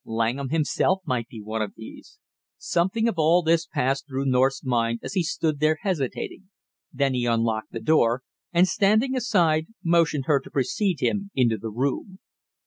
Langham himself might be of these. Something of all this passed through North's mind as he stood there hesitating. Then he unlocked the door, and standing aside, motioned her to precede him into the room.